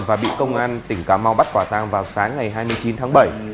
và bị công an tỉnh cà mau bắt quả tang vào sáng ngày hai mươi chín tháng bảy